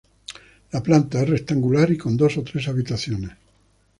La planta es rectangular y con dos o tres habitaciones.